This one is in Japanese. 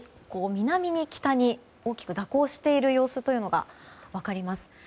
南に北に大きく蛇行している様子が分かります。